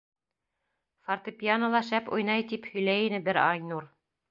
Фортепьянола шәп уйнай, тип һөйләй ине бер Айнур.